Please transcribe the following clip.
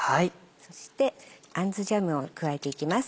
そしてアンズジャムを加えていきます。